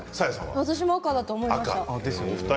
私も赤だと思いました。